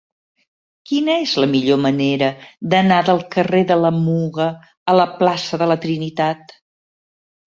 Quina és la millor manera d'anar del carrer de la Muga a la plaça de la Trinitat?